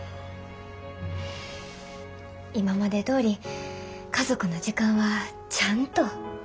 今までどおり家族の時間はちゃんと大事にします。